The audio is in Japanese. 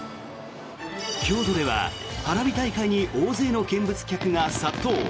京都では花火大会に大勢の見物客が殺到。